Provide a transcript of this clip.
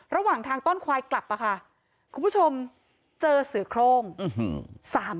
ระหว่างทางต้อนควายกลับอะค่ะคุณผู้ชมเจอเสือโครง